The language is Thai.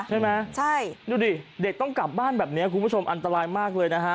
ใช่ไหมใช่ดูดิเด็กต้องกลับบ้านแบบนี้คุณผู้ชมอันตรายมากเลยนะฮะ